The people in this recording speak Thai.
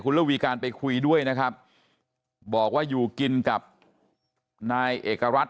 ระวีการไปคุยด้วยนะครับบอกว่าอยู่กินกับนายเอกรัฐ